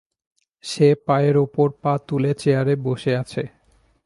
সে পায়ের ওপর পা তুলে চেয়ারে বসে আছে।